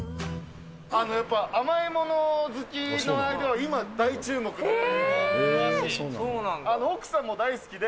やっぱ甘いもの好きの間では、今、大注目で。